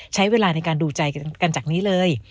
ใช้เวลาในการดูใจกันจากนี้เลย